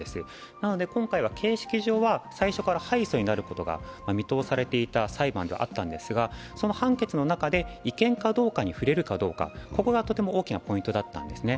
なので今回は形式上は最初から敗訴になることが見通されていた裁判ではあったんですがその判決の中で違憲かどうかに触れるかどうかここがとても大きなポイントだったんですね。